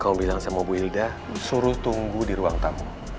kalau bilang sama bu ilda suruh tunggu di ruang tamu